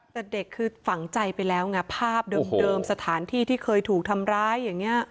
แต่เด็กคือฝังใจไปแล้วไงภาพเดิมสถานที่ที่เคยถูกทำร้ายอย่างนี้